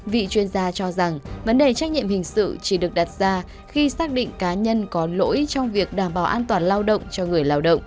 vị chuyên gia cho rằng vấn đề trách nhiệm hình sự chỉ được đặt ra khi xác định cá nhân có lỗi trong việc đảm bảo an toàn lao động cho người lao động